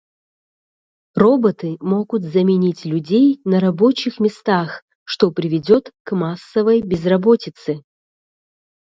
Роботы могут заменить людей на рабочих местах, что приведет к массовой безработице.